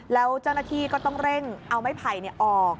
แล้วเจ้าหน้าที่ก็ต้องเร่งเอาไม้ไผ่ออก